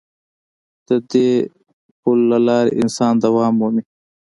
د دې پل له لارې انسان دوام مومي.